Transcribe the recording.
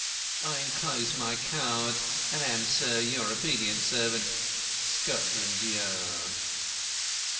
I enclose my card, and am, sir, "Your obedient servant, "Scotland Yard."